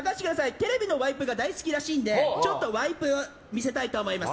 テレビのワイプが大好きらしいのでワイプを見せたいと思います。